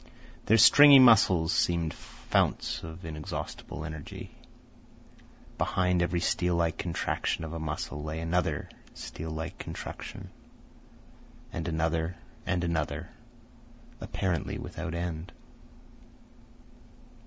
Their stringy muscles seemed founts of inexhaustible energy. Behind every steel like contraction of a muscle, lay another steel like contraction, and another, and another, apparently without end.